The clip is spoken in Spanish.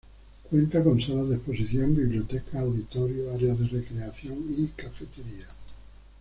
Cuenta con salas de exposición, biblioteca, auditorio, áreas de recreación y cafetería.